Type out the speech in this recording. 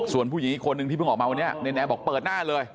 ส่วนผู้หญิงอีกคนนึงที่เพิ่งออกมาวันนี้เนรนแอร์บอกเปิดหน้าเลย